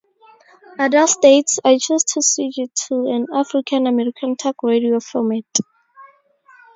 Adell states, I chose to switch it to an African American talk radio format.